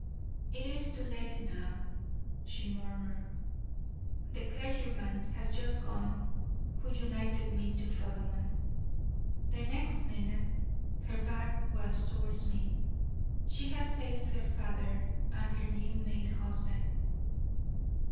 "It is too late NOW," she murmured. "The clergyman has just gone who united me to Philemon." The next minute her back was towards me; she had faced her father and her new made husband.